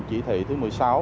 chỉ thị thứ một mươi sáu